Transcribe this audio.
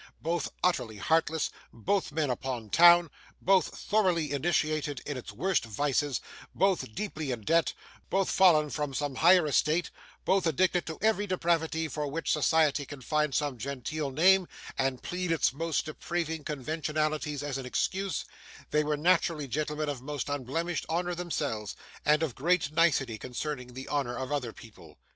Both utterly heartless, both men upon town, both thoroughly initiated in its worst vices, both deeply in debt, both fallen from some higher estate, both addicted to every depravity for which society can find some genteel name and plead its most depraving conventionalities as an excuse, they were naturally gentlemen of most unblemished honour themselves, and of great nicety concerning the honour of other people.